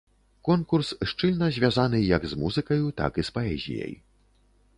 Конкурс шчыльна звязаны як з музыкаю, так і з паэзіяй.